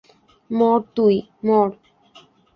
মর তুই, মর।